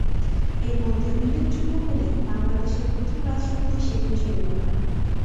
এর মধ্যে উল্লেখযোগ্য হলেন বাংলাদেশের প্রথম রাষ্ট্রপতি শেখ মুজিবুর রহমান।